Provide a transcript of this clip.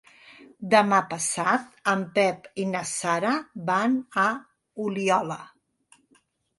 Demà passat en Pep i na Sara van a Oliola.